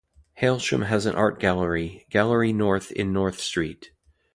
Hailsham has an art gallery, Gallery North in North Street.